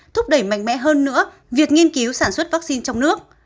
thúc đẩy mạnh mẽ hơn nữa việc nghiên cứu sản xuất vaccine trong nước